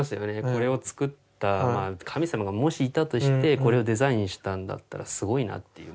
これを作った神様がもしいたとしてこれをデザインしたんだったらすごいなっていう。